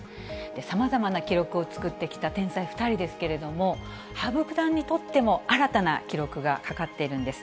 さまざまな記録を作ってきた天才２人ですけれども、羽生九段にとっても、新たな記録がかかっているんです。